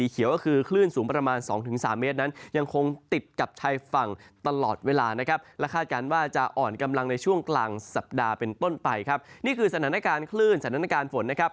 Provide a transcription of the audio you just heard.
ก็คือสถานการณ์คลื่นอย่างสนุนเป็นสถานการณ์ฝน